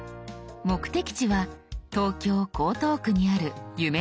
目的地は東京江東区にある夢の島公園。